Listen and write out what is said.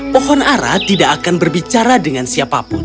pohon ara tidak akan berbicara dengan siapapun